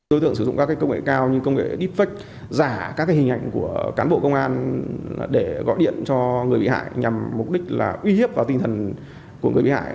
đối tượng sử dụng các công nghệ cao như công nghệ deepfake giả các hình ảnh của cán bộ công an để gọi điện cho người bị hại nhằm mục đích là uy hiếp vào tinh thần của người bị hại